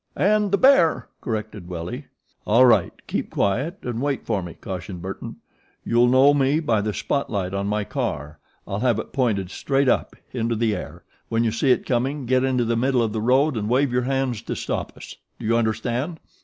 "And the bear," corrected Willie. "All right, keep quiet and wait for me," cautioned Burton. "You'll know me by the spot light on my car I'll have it pointed straight up into the air. When you see it coming get into the middle of the road and wave your hands to stop us. Do you understand?"